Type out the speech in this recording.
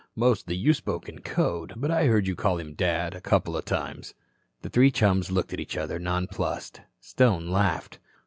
Mostly you spoke in code, but I heard you call him 'Dad' a couple of times." The three chums looked at each other, nonplussed. Stone laughed.